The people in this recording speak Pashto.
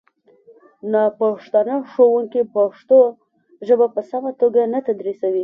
ناپښتانه ښوونکي پښتو ژبه په سمه توګه نه تدریسوي